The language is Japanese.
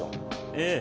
ええ。